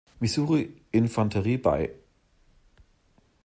Missouri Infanterie bei.